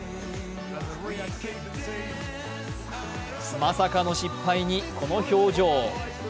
まさかの失敗にこの表情。